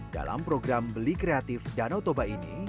dalam program beli kreatif danotoba ini